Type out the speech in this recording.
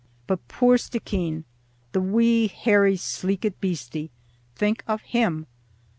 But poor Stickeen, the wee, hairy, sleekit beastie, think of him!